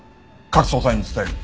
各捜査員に伝える。